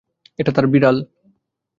এটা তার বিড়াল।